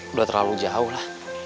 udah terlalu jauh lah